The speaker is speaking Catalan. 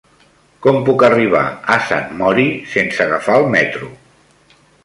Com puc arribar a Sant Mori sense agafar el metro?